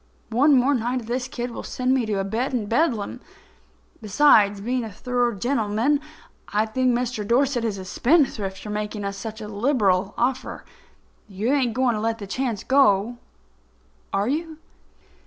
One more night of this kid will send me to a bed in Bedlam. Besides being a thorough gentleman, I think Mr. Dorset is a spendthrift for making us such a liberal offer. You ain't going to let the chance go, are you?"